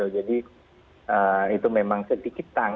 jadi itu memang sedikit tanggal